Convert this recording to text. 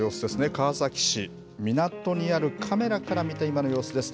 川崎市、港にあるカメラから見た今の様子です。